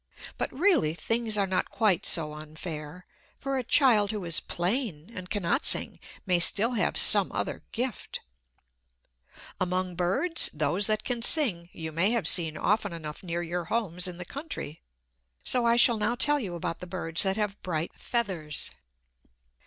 But really things are not quite so unfair; for a child who is plain, and cannot sing, may still have some other gift. Among birds, those that can sing you may have seen often enough near your own homes in the country; so I shall now tell you about the birds that have bright feathers.